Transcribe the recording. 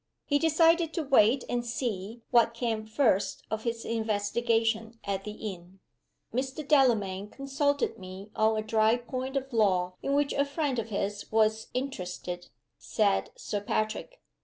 He decided to wait and see what came first of his investigation at the inn. "Mr. Delamayn consulted me on a dry point of law, in which a friend of his was interested," said Sir Patrick.